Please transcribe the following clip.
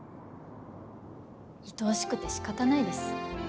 いとおしくてしかたないです。